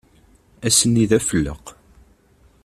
Ass-nni d afelleq.